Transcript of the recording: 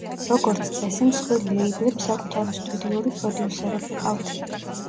როგორც წესი, მსხვილ ლეიბლებს საკუთარი სტუდიური პროდიუსერები ყავთ.